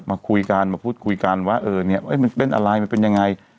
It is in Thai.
มาคุยกันมาพูดคุยกันว่าเออเนี่ยมันเป็นอะไรมันเป็นยังไง